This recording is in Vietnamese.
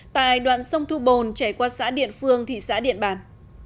tại đoạn sông thu bồn chảy qua xã điện phương thị xã điện bàn